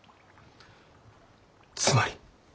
つまり。